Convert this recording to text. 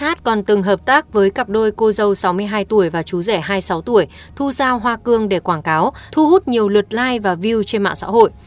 hát còn từng hợp tác với cặp đôi cô dâu sáu mươi hai tuổi và chú rẻ hai mươi sáu tuổi thu giao hoa cương để quảng cáo thu hút nhiều lượt like và view trên mạng xã hội